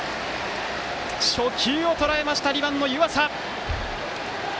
初球をとらえた２番の湯淺。